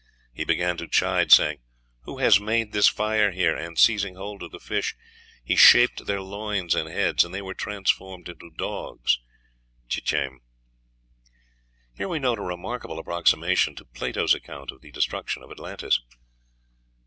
He began to chide, saying, 'Who has made this fire here?' And, seizing hold of the fish, he shaped their loins and heads, and they were transformed into dogs (chichime)." Here we note a remarkable approximation to Plato's account of the destruction of Atlantis.